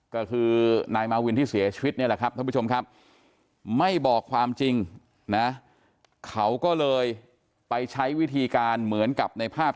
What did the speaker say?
ก็คือนายมาวินที่เสียชีวิตนี่แหละครับท่านผู้ชมครับไม่บอกความจริงนะเขาก็เลยไปใช้วิธีการเหมือนกับในภาพ